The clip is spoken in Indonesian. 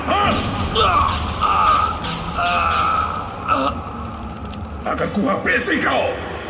aku akan menghabiskanmu